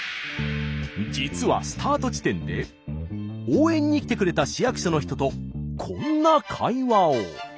実はスタート地点で応援に来てくれた市役所の人とこんな会話を。